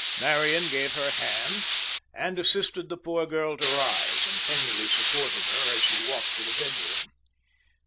Marian gave her hand, and assisted the poor girl to rise, and tenderly supported her as she walked to the bedroom.